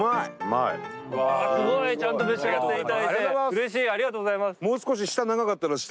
すごいちゃんと召し上がって頂いてうれしいありがとうございます。